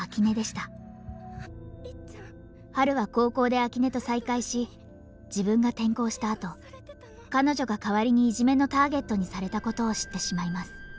ハルは高校で秋音と再会し自分が転校したあと彼女が代わりにいじめのターゲットにされたことを知ってしまいます。